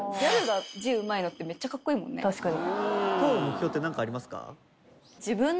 確かに。